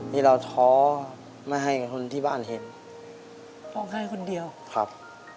ที่เราท้อไม่ให้คนที่บ้านเห็นร้องไห้คนเดียวครับ